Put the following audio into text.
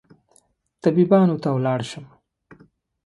طبيبانو ته ولاړ شم